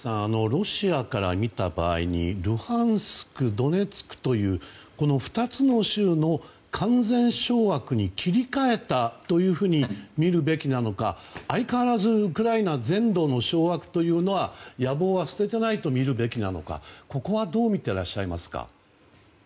ロシアから見た場合にルハンシク、ドネツクというこの２つの州の完全掌握に切り替えたというふうに見るべきなのか、相変わらずウクライナ全土の掌握の野望は捨てていないと見るべきなのかどう見ていらっしゃいますか？